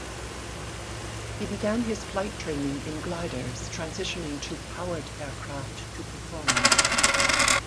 He began his flight training in gliders, transitioning to powered aircraft to perform aerobatics.